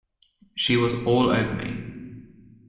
She was all over me.